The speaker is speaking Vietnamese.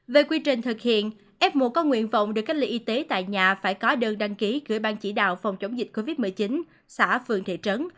về quy trình thực hiện f một có nguyện vọng được cách ly y tế tại nhà phải có đơn đăng ký gửi ban chỉ đạo phòng chống dịch covid một mươi chín xã phường thị trấn